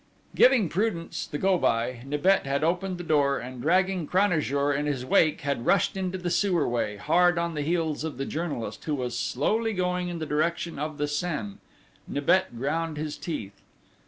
Giving prudence the go by, Nibet had opened the door, and dragging Cranajour in his wake had rushed into the sewer way, hard on the heels of the journalist, who was slowly going in the direction of the Seine. Nibet ground his teeth.